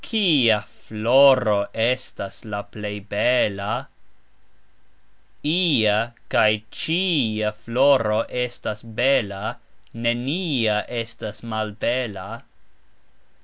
"Kia" floro estas la plej bela? "Ia" kaj "cxia" floro estas beta, "nenia" estas malbela.